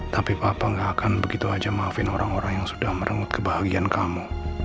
tapi papa gak akan begitu aja maafin orang orang yang sudah merengut kebahagiaan kamu